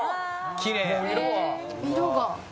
「きれい」